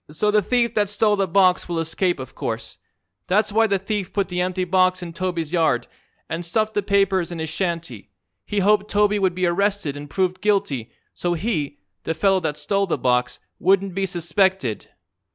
"So the thief that stole the box will escape, of course. That's why the thief put the empty box in Toby's yard, an' stuffed the papers in his shanty. He hoped Toby would be arrested an' proved guilty, so he the fellow that stole the box wouldn't be suspected."